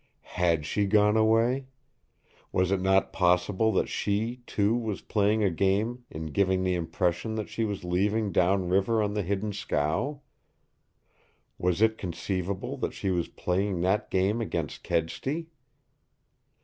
Had she gone away? Was it not possible that she, too, was playing a game in giving the impression that she was leaving down river on the hidden scow? Was it conceivable that she was playing that game against Kedsty?